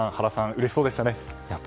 うれしそうでしたね、原さん。